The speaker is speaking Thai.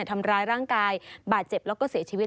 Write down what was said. ทำร้ายร่างกายบาดเจ็บแล้วก็เสียชีวิต